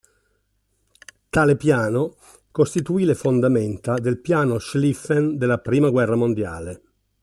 Tale piano costituì le fondamenta del Piano Schlieffen della Prima guerra mondiale.